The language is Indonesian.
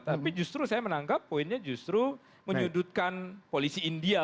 tapi justru saya menangkap poinnya justru menyudutkan polisi india